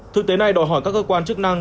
thực tế này đòi hỏi các cơ quan chức năng